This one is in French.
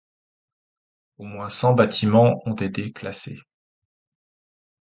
Au moins cent bâtiments ont été classés.